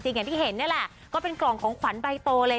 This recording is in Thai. อย่างที่เห็นนี่แหละก็เป็นกล่องของขวัญใบโตเลย